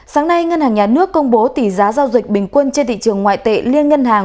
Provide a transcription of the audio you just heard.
sáng nay ngân hàng nhà nước công bố tỷ giá giao dịch bình quân trên thị trường ngoại tệ liên ngân hàng